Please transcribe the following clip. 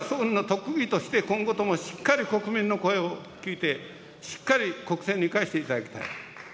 どうか総理の特技として、今後ともしっかり国民の声を聞いて、しっかり国政に生かしていただきたい。